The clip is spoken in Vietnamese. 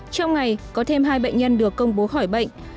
trong ngày có thêm hai bệnh nhân được công bố khỏi bệnh